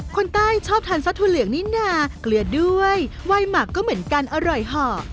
คนใต้ชอบทานซอสธุเหลืองนิดนาเกลือด้วยไวมักก็เหมือนกันอร่อยห่อ